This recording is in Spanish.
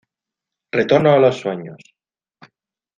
Retorno a los sueños.